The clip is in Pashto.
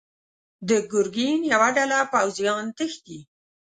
د ګرګين يوه ډله پوځيان تښتي.